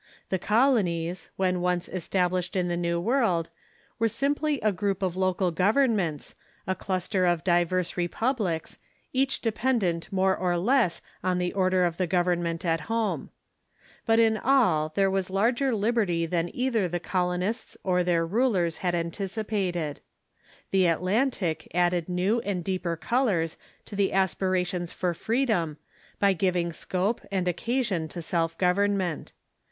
The colonies, when once established in the Xew World, Avere simply a group of local governments, a cluster of diverse republics, each dependent more or less on the order of the government at home. But in all there was larger liberty than either the colonists or their 456 THE CHURCH IX THE UNITED STATES rulers had anticipated. The Atlantic added new and deeper colors to the aspirations for freedom by giving scope and oc casion to self government.